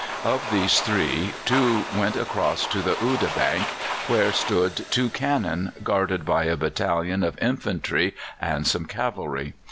Of these three two went across to the Oude bank, where stood two cannon, guarded by a battalion of infantry and some cavalry.